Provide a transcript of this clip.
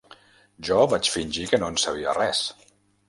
Jo vaig fingir que no en sabia res.